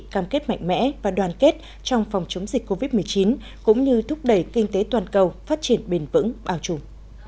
cam kết mạnh mẽ và đoàn kết trong phòng chống dịch covid một mươi chín cũng như thúc đẩy kinh tế toàn cầu phát triển bền vững bao trùm